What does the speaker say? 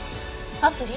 アプリ？